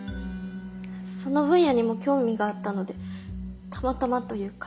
その分野にも興味があったのでたまたまというか。